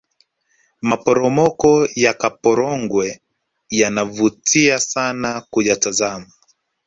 maporomoko yakaporogwe yanavutia sana kuyatazama